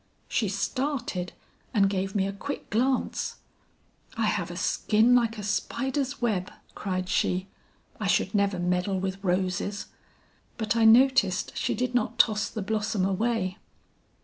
"She started and gave me a quick glance. "'I have a skin like a spider's web," cried she. 'I should never meddle with roses.' But I noticed she did not toss the blossom away.